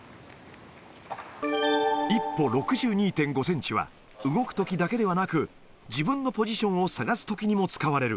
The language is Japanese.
１歩６２．５センチは、動くときだけではなく、自分のポジションを探すときにも使われる。